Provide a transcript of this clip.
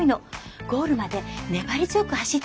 ゴールまで粘り強く走ってね。